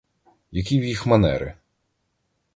Які в їх манери!